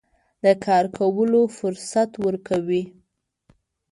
د کار کولو فرصت ورکوي.